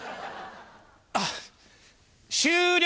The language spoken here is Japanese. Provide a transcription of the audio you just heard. あっ終了！